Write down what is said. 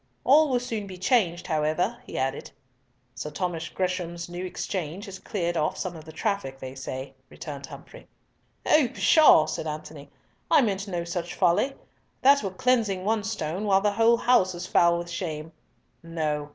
"All will soon be changed, however," he added. "Sir Thomas Gresham's New Exchange has cleared off some of the traffic, they say," returned Humfrey. "Pshaw!" said Antony; "I meant no such folly. That were cleansing one stone while the whole house is foul with shame. No.